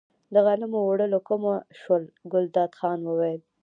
د غنمو اوړه له کومه شول، ګلداد خان وویل.